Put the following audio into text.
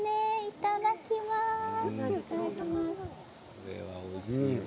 これはおいしいぞ。